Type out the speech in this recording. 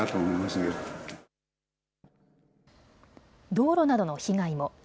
道路などの被害も。